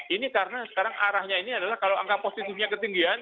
ini karena sekarang arahnya ini adalah kalau angka positifnya ketinggian